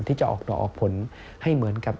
ที่จะออกหล่อออกผลให้เหมือนกับ